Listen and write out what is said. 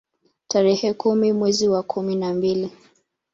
Tarehe kumi mwezi wa kumi na mbili